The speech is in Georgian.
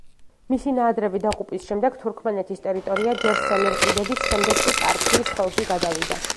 მისი ნაადრევი დაღუპვის შემდეგ თურქმენეთის ტერიტორია ჯერ სელევკიდების, შემდეგ კი პართიის ხელში გადავიდა.